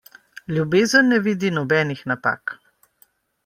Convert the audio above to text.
Ljubezen ne vidi nobenih napak.